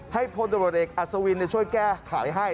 ให้พลตมตเอกอัศวินเนี่ยช่วยแก้ขายให้